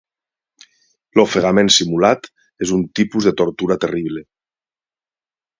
L'ofegament simulat és un tipus de tortura terrible.